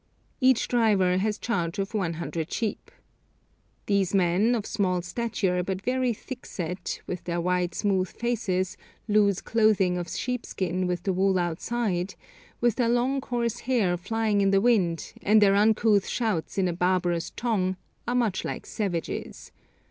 Each driver has charge of one hundred sheep. These men, of small stature but very thickset, with their wide smooth faces, loose clothing of sheepskin with the wool outside, with their long coarse hair flying in the wind, and their uncouth shouts in a barbarous tongue, are much like savages.